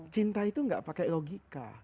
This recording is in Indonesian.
cinta itu gak pakai logika